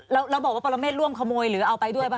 แล้วบอกว่าปรเมฆร่วมขโมยหรือเอาไปด้วยป่